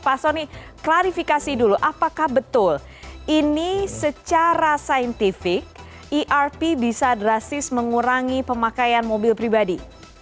pak soni klarifikasi dulu apakah betul ini secara saintifik erp bisa drastis mengurangi pemakaian mobil pribadi